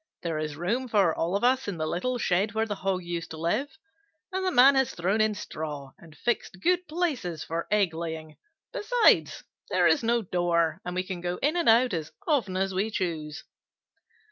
There is room for all of us in the little shed where the Hog used to live, and the Man has thrown in straw and fixed good places for egg laying. Besides, there is no door, and we can go in and out as often as we choose."